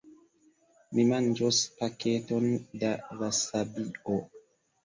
Mi manĝos paketon da vasabio.